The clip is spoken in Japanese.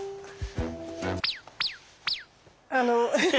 あの。